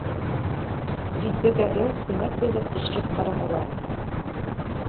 Дилбегәгә күнәк бәйләп төшөрөп ҡаранылар.